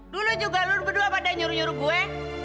dulu juga lur berdua pada nyuruh nyuruh gue